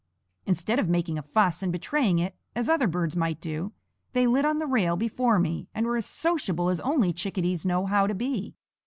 Instead of making a fuss and betraying it, as other birds might do, they lit on the rail before me, and were as sociable as only chickadees know how to be.